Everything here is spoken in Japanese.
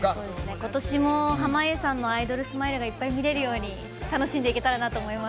今年も濱家さんのアイドルスマイルがいっぱい見れるように楽しんでいけたらなと思います。